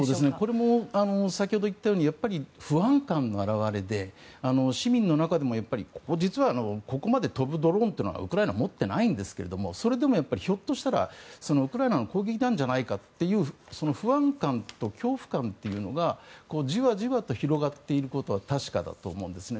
これも先ほど言ったように不安感の表れで、市民の中でも実はここまで飛ぶドローンというのはウクライナは持ってないんですがそれでもひょっとしたらウクライナの攻撃じゃないかって不安感と恐怖感というのがじわじわと広がっていることは確かだと思うんですね。